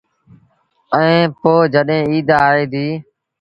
ائيٚݩ پو جڏهيݩ ايٚد آئي ديٚ۔